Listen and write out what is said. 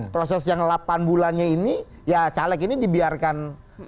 proses yang delapan bulannya ini ya caleg ini dibiarkan